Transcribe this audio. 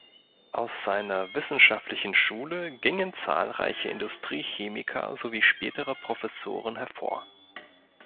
Aus seiner wissenschaftlichen Schule gingen zahlreiche Industriechemiker sowie spätere Professoren hervor.